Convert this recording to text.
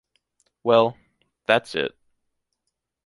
Well, that’s it.